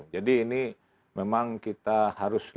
jadi ini memang kita harus berpikir